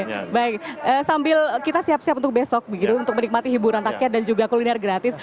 oke baik sambil kita siap siap untuk besok begitu untuk menikmati hiburan rakyat dan juga kuliner gratis